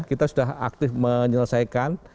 kita sudah aktif menyelesaikan